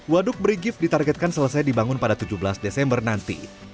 waduk berigif ditargetkan selesai dibangun pada tujuh belas desember nanti